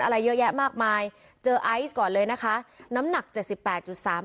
อะไรเยอะแยะมากมายเจอไอซ์ก่อนเลยนะคะน้ำหนักเจ็ดสิบแปดจุดสาม